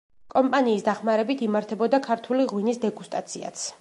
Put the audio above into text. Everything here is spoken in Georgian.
კომპანიის დახმარებით, იმართებოდა ქართული ღვინის დეგუსტაციაც.